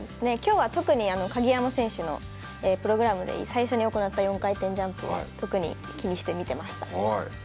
きょうは特に鍵山選手のプログラムで最初に行った４回転ジャンプを特に気にして見てました。